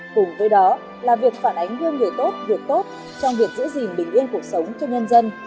cùng với đó là việc phản ánh gương người tốt việc tốt trong việc giữ gìn bình yên cuộc sống cho nhân dân